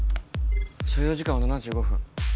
所要時間は７５分。